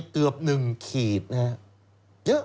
เกือบ๑ขีดนะครับเยอะ